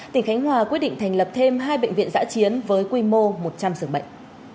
tỉnh khánh hòa quyết định thành lập thêm hai bệnh viện giã chiến với quy mô một trăm linh giường bệnh